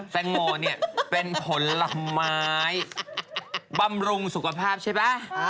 แต้งโมเป็นผลไม้ปำรุงสุขภาพใช่เปล่า